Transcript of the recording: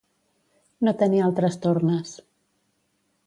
No tenir altres tornes.